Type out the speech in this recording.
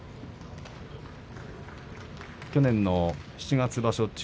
去年の七月場所